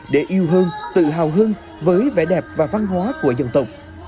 để yêu hương tự hào hơn với vẻ đẹp và văn hóa của dân tộc